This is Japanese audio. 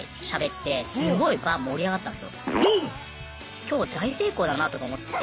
今日大成功だなとか思ってて。